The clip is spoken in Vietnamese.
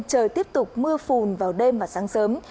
trời tiếp tục mưa phùn vào đêm và sáng sớm